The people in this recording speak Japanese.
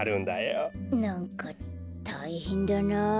なんかたいへんだなあ。